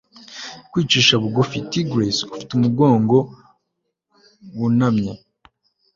Kwicisha bugufi tigress ufite umugongo wunamye